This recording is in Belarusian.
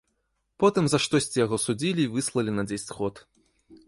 Потым за штосьці яго судзілі і выслалі на дзесяць год.